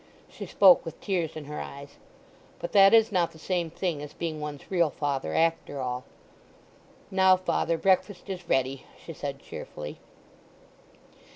(she spoke with tears in her eyes); "but that is not the same thing as being one's real father after all. Now, father, breakfast is ready!" she said cheerfully.